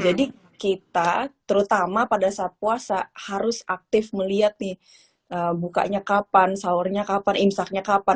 jadi kita terutama pada saat puasa harus aktif melihat nih bukanya kapan sour nya kapan imsaknya kapan